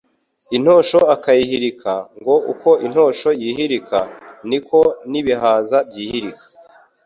intosho akayihirika, ngo uko intosho yihirika, niko n’ibihaza byihirika